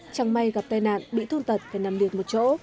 chẳng may gặp tai nạn bị thương tật phải nằm liệt một chỗ